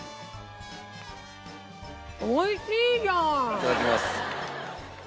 いただきます。